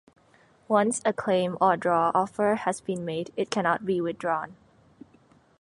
Once a claim or draw offer has been made, it cannot be withdrawn.